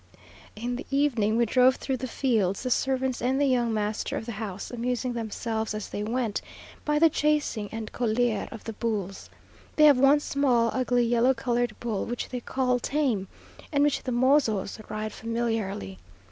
In the evening we rode through the fields, the servants and the young master of the house amusing themselves as they went, by the chasing and colear of the bulls. They have one small, ugly, yellow coloured bull, which they call tame, and which the mozos ride familiarly.